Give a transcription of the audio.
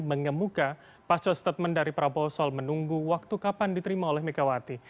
mengemuka pasca statement dari prabowo soal menunggu waktu kapan diterima oleh megawati